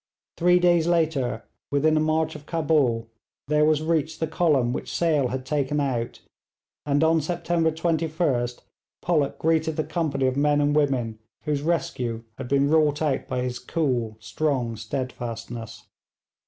Three days later, within a march of Cabul, there was reached the column which Sale had taken out, and on September 21st Pollock greeted the company of men and women whose rescue had been wrought out by his cool, strong steadfastness.